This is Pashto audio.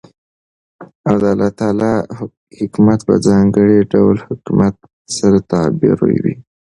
او دالله تعالى حكومت په ځانګړي ډول حكومت سره تعبيروي .